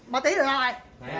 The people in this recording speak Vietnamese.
ma túy rồi